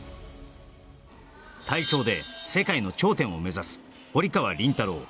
体操で世界の頂点を目指す堀川倫太郎